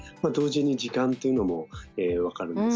同時に時間というのも分かる。